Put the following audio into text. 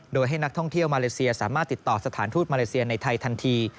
โดยให้นักท่องเที่ยวมาเลเซียสามารถติดต่อสถานทูตมาเลเซียในไทยทันที